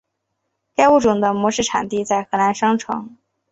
该物种的模式产地在河南商城。